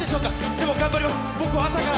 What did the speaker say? でも頑張ります。